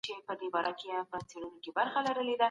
حکومتونو به رسمي غونډي سمبالولې.